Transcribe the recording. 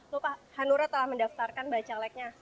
loh pak hanura telah mendaftarkan bacaleknya